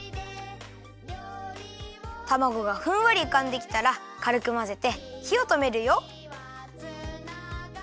たまごがふんわりうかんできたらかるくまぜてひをとめるよ。